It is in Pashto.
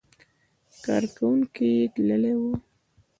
کارکوونکي یې تللي وو.